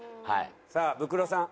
さあブクロさん。